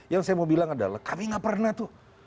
yang saya mau bilang adalah kami gak pernah tuh